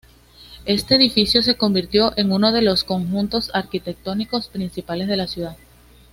Este edificio se convirtió en uno de los conjuntos arquitectónicos principales de la ciudad.